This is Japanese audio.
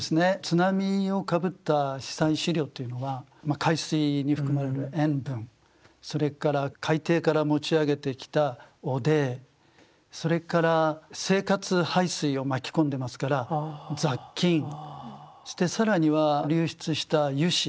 津波をかぶった被災資料というのは海水に含まれる塩分それから海底から持ち上げてきた汚泥それから生活排水を巻き込んでますから雑菌そして更には流出した油脂。